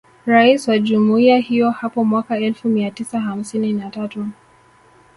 Rais wa Jumuiya hiyo hapo mwaka elfu mia tisa hamsini na tatu